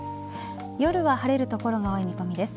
夜は晴れる所が多い見込みです。